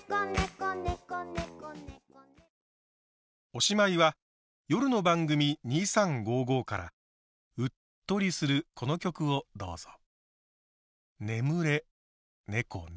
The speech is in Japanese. おしまいは夜の番組「２３５５」からうっとりするこの曲をどうぞ。